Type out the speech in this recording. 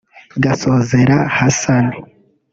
Gasozera Hassan